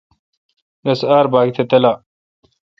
رس آر باگ تہ تلا۔